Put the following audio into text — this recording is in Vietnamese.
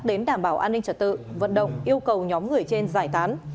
đến đảm bảo an ninh trật tự vận động yêu cầu nhóm người trên giải tán